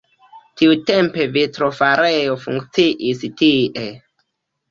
Tiutempe vitrofarejo funkciis tie.